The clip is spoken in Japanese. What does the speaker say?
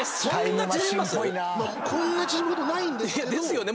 こんな縮むことないんですけど。ですよね。